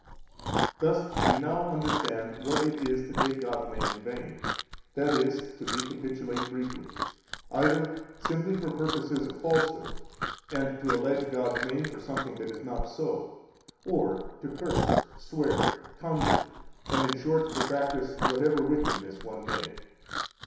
62 Thus you now understand what it is to take God's name in vain, that is (to recapitulate briefly), either simply for purposes of falsehood, and to allege God's name for something that is not so, or to curse, swear, conjure, and, in short, to practise whatever wickedness one may.